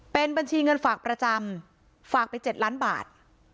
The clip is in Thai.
เป็นบัญชีเงินฝากประจำฝากไป๗ล้านบาท